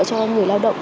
cho người lao động